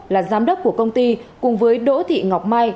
công đốc của công ty cùng với đỗ thị ngọc mai